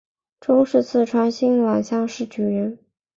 中式四川辛卯乡试举人。